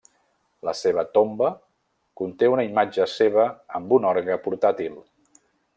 La seva tomba conté una imatge seva amb un orgue portàtil.